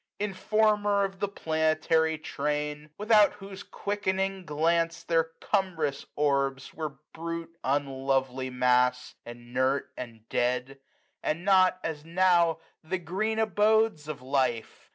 Informer pf the planetary train ! Without whose quickening glance their cumbrous orbs Were brute unlovely mass, inert and dead ; 106 And not, as now, the green abodes of life.